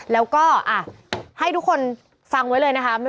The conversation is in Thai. แล้วก็ให้ทุกคนฟังไว้เลยนะคะ